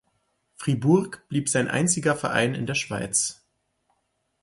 Fribourg blieb sein einziger Verein in der Schweiz.